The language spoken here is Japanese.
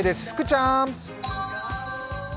福ちゃん！